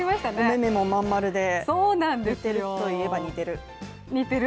目もまん丸で似てるといえば、似てる。